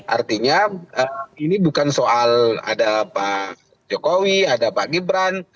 artinya ini bukan soal ada pak jokowi ada pak gibran